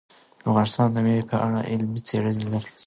افغانستان د مېوې په اړه علمي څېړنې لري.